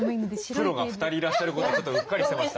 プロが２人いらっしゃることをちょっとうっかりしていました。